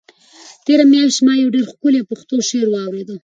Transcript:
تېره میاشت ما یو ډېر ښکلی پښتو شعر واورېد.